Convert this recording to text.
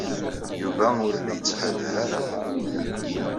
Yuba ur la yettḥadar ara.